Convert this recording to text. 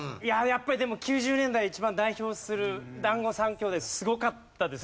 やっぱりでも９０年代を一番代表する『だんご３兄弟』すごかったですよね。